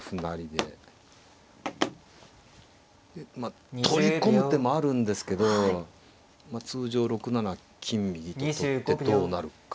でまあ取り込む手もあるんですけど通常６七金右と取ってどうなるか。